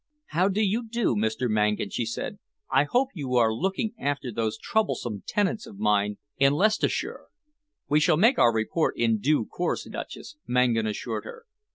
"How do you do, Mr. Mangan?" she said. "I hope you are looking after those troublesome tenants of mine in Leicestershire?" "We shall make our report in due course, Duchess," Mangan assured her.